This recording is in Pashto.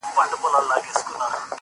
څنگه سو مانه ويل بنگړي دي په دسمال وتړه